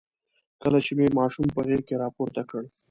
کله چې مې ماشوم په غېږ کې راپورته کړ.